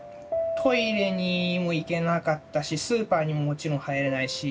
トイレにも行けなかったしスーパーにももちろん入れないし。